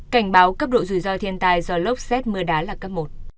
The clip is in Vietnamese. cảnh báo cấp độ rủi ro thiên tai do lốc xét mưa đá là cấp một